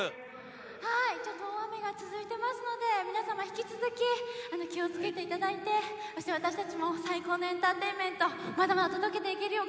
大雨が続いてますので皆様引き続き気を付けていただいてそして私たちも最高のエンターテインメントまだまだ届けていけるよう頑張ります！